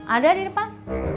ada di depan